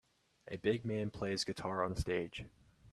A big man plays guitar on stage.